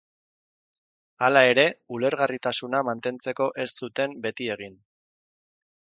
Hala ere, ulergarritasuna mantentzeko ez zuten beti egin.